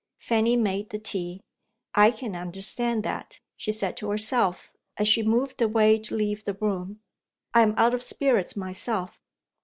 Fanny made the tea. "I can understand that," she said to herself, as she moved away to leave the room; "I'm out of spirits myself."